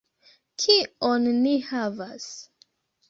Kion ni havas?